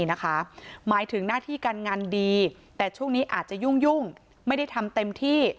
หมายถึงหน้าที่การงานดีแต่ช่วงนี้อาจจะยุ่งไม่ได้ทำเต็มที่